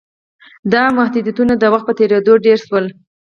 دا محدودیتونه د وخت په تېرېدو ډېر شول.